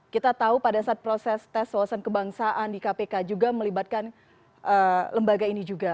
kita tahu pada saat proses tes wawasan kebangsaan di kpk juga melibatkan lembaga ini juga